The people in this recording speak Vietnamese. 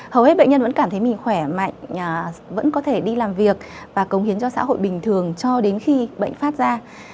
hầu hết bệnh nhân vẫn cảm thấy mình khỏe mạnh vẫn có thể đi làm việc và cống hiến cho xã hội bình thường cho đến khi bệnh phát ra